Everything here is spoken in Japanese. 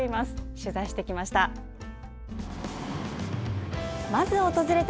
取材してきました。